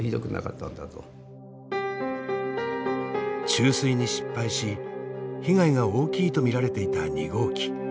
注水に失敗し被害が大きいと見られていた２号機。